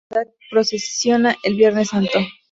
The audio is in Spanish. Esta hermandad procesiona el Viernes Santo.